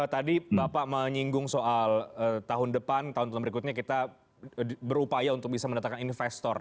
tadi bapak menyinggung soal tahun depan tahun tahun berikutnya kita berupaya untuk bisa mendatangkan investor